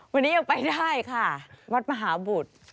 วันนี้ยังไปได้ค่ะวัดมหาบุตร